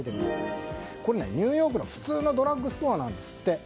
これ、ニューヨークの普通のドラッグストアなんですって。